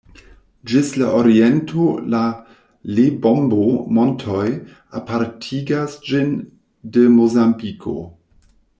Ĝis la oriento la Lebombo-Montoj apartigas ĝin de Mozambiko.